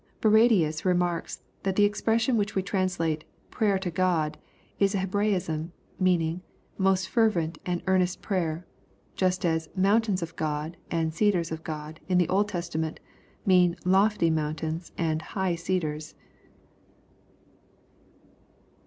Bar radius remarks, that the expression which we translate, " prayer to God." is a Hebraism, meaning, "most fervent and earnest prayer, just as " mountains of God," and " cedars of God," in the Old Testament, mean " lofty" mountains, and " high" cedars.